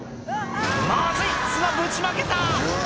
まずい砂ぶちまけた！